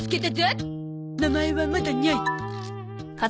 名前はまだニャイ。